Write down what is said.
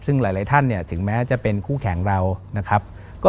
ซึ่งหลายท่านเนี่ยถึงแม้จะเป็นคู่แข่งเรานะครับ